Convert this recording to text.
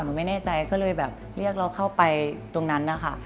ไม่แน่ใจก็เลยแบบเรียกเราเข้าไปตรงนั้นนะคะ